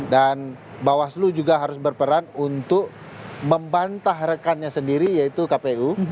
dan bawaslu juga harus berperan untuk membantah rekannya sendiri yaitu kpu